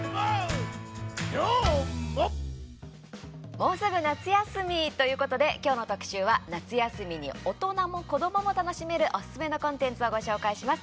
もうすぐ夏休みということで今日の特集は夏休みに大人も子どもも楽しめるおすすめのコンテンツをご紹介します。